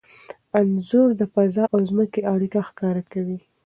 انځور د فضا او ځمکې اړیکه ښکاره کوي.